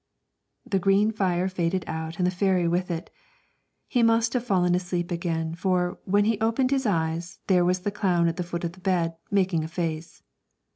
The green fire faded out and the fairy with it. He must have fallen asleep again, for, when he opened his eyes, there was the clown at the foot of his bed making a face.